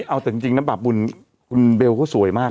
เอาจริงน้ำบาปบุญคุณเบลก็สวยมาก